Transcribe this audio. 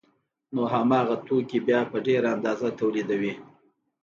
نو هماغه توکي بیا په ډېره اندازه تولیدوي